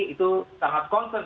itu sangat concern